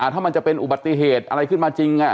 ถ้ามันจะเป็นอุบัติเหตุอะไรขึ้นมาจริง